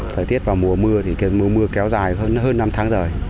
thời tiết vào mùa mưa thì cái mùa mưa kéo dài hơn năm tháng rồi